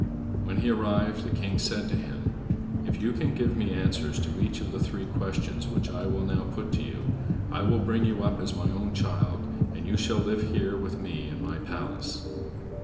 When he arrived the king said to him: "If you can give me answers to each of the three questions which I will now put to you, I will bring you up as my own child, and you shall live here with me in my palace."